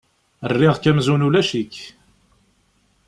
Rriɣ-k amzun ulac-ik.